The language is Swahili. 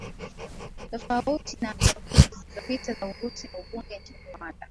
tofauti na chaguzi zilizopita za urais na ubunge nchini rwanda